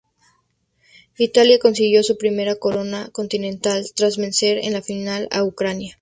Italia consiguió su primera corona continental tras vencer en la final a Ucrania.